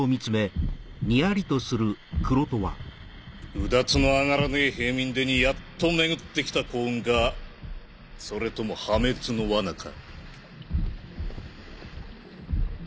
うだつの上がらねえ平民出にやっと巡ってきた幸運かそれとも破滅の罠か。